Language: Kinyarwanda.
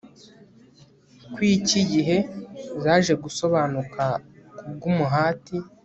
kwiki gihe zaje gusobanuka kubwo umuhati